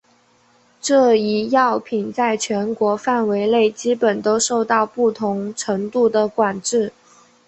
这一药品在全球范围内基本都受到不同程度的管制。